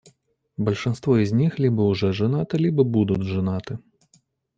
Большинство из них либо уже женаты, либо будут женаты.